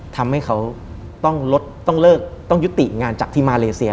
ทำให้เขาต้องลดต้องเลิกต้องยุติงานจากที่มาเลเซีย